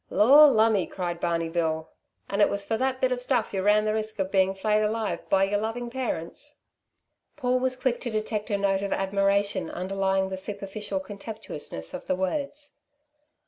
"Lor' lumme!" cried Barney Bill. "And it was for that bit of stuff yer ran the risk of being flayed alive by yer loving parents?" Paul was quick to detect a note of admiration underlying the superficial contemptuousness of the words.